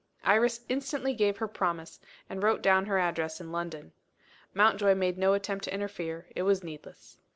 Iris instantly gave her promise, and wrote down her address in London. Mountjoy made no attempt to interfere: it was needless.